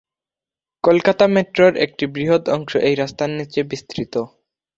কলকাতা মেট্রোর একটি বৃহৎ অংশ এই রাস্তার নিচে বিস্তৃত।